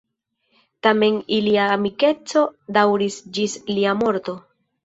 Tamen ilia amikeco daŭris ĝis lia morto.